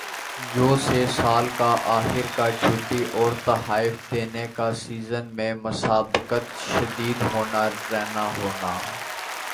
جو سے سال کا آخر کا چھٹی اور تحائف دینا کا سیزن میں مسابقت شدید ہونا رہنا ہونا